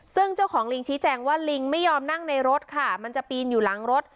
ซึ่งเจ้าของลิงชี้แจงว่าลิงไม่ยอมนั่งในรถค่ะมันจะปีนอยู่หลังรถ